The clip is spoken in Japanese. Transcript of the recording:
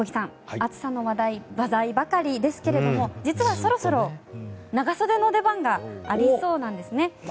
暑さの話題ばかりですけれども実はそろそろ長袖の出番がありそうなんですね。